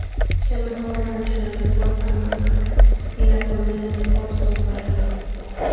El mejor rancho, la mejor hamaca y la comida mejor son para mí.